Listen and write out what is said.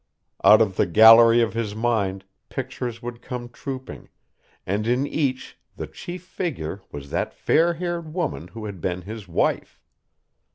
Out of the gallery of his mind pictures would come trooping, and in each the chief figure was that fair haired woman who had been his wife.